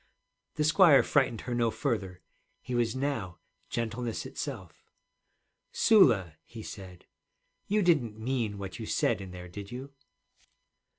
The squire frightened her no further. He was now gentleness itself. 'Sula,' he said, 'you didn't mean what you said in there, did you?'